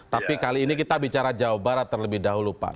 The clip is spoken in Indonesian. tapi kali ini kita bicara jawa barat terlebih dahulu pak